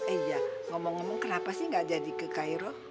iya ngomong ngomong kenapa sih gak jadi ke cairo